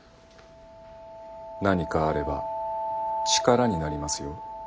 何かあれば力になりますよ。